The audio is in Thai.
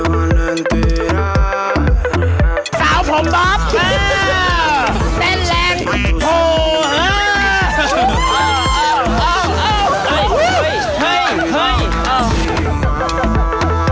เธอมาเข้าสถานที่ไหมคะ